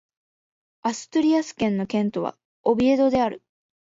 アストゥリアス県の県都はオビエドである